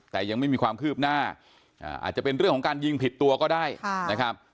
แต่ยังไม่มีความคืบหน้าอาจจะเป็นเรื่องของการยิงผิดตัวก็ได้นะครับ